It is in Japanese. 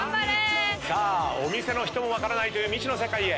お店の人も分からないという未知の世界へ。